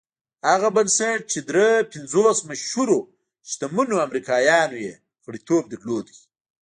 هغه بنسټ چې دري پنځوس مشهورو شتمنو امريکايانو يې غړيتوب درلود.